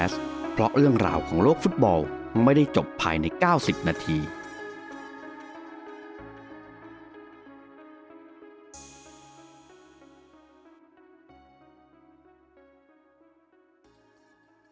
สวัสดีครับผม